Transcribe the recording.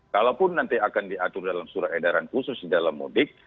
kalaupun nanti akan diatur dalam surat edaran khusus di dalam mudik